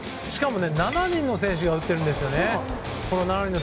しかも７人の選手が打っているんです。